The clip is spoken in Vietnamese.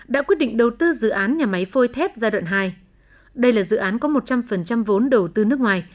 đã quyết định đầu tư dự án nhà máy phôi thép giai đoạn hai đây là dự án có một trăm linh vốn đầu tư nước ngoài